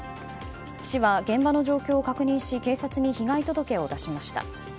市は現場の状況を確認し警察に被害届を出しました。